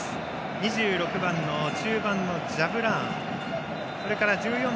２６番の中盤のジャブラーン。